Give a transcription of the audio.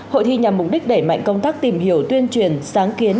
hội thi nhằm mục đích đẩy mạnh công tác tìm hiểu tuyên truyền sáng kiến